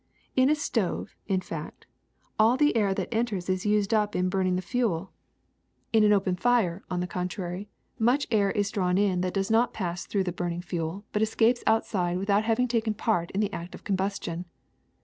In a stove, in fact, all the air that enters is used up in burning the fuel; in an open fire, on HEATING 135 the contrary, much air is drawn in that does not pass through the burning fuel, but escapes outside with out having taken part in the act of combustion.